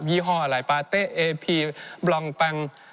ี่ห้ออะไรปาเต๊ะเอพีบรองแปง